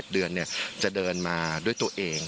ต่อ๑๑เดือนเนี่ยจะเดินมาด้วยตัวเอง